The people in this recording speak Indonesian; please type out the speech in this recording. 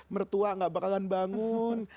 mertua gak bakalan bangun